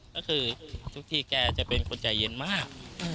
ก็คือทุกทีแกจะเป็นคนใจเย็นมาก